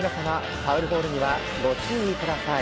ファウルボールにはご注意ください。